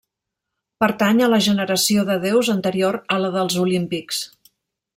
Pertany a la generació de déus anterior a la dels Olímpics.